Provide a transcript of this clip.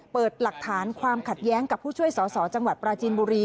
เปิดหลักฐานความขัดแย้งกับผู้ช่วยสอสอจังหวัดปราจีนบุรี